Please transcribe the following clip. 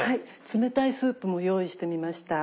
冷たいスープも用意してみました。